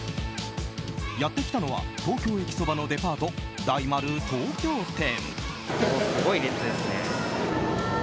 やってきたのは東京駅傍のデパート大丸東京店。